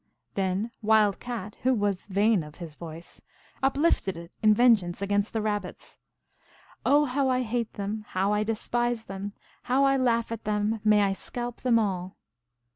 Then Wild Cat, who was vain of his voice, uplifted it in vengeance against the Rabbits :" Oh, hew I hate them ! How I despise them ! How I laugh at them ! May I scalp them all